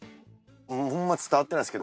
ホンマ伝わってないですけど。